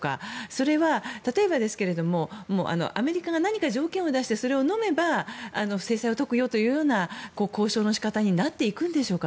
それは例えばアメリカが何か条件を出してそれをのめば制裁を解くよというような交渉の仕方になっていくんでしょうか。